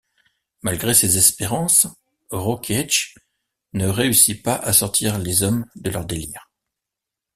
Malgré ses espérances, Rokeach ne réussit pas à sortir les hommes de leur délire.